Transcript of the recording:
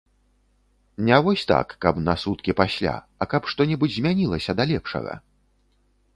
Не вось так, каб на суткі пасля, а каб што-небудзь змянілася да лепшага?